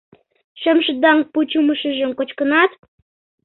Шемшыдаҥ пучымышыжым кочкынат?